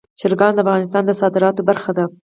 چرګان د افغانستان د صادراتو برخه ده.